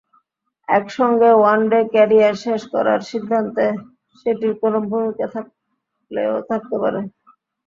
একসঙ্গে one day career শেষ করার সিদ্ধান্তে সেটির কোনো ভূমিকা থাকলেও থাকতে পারে।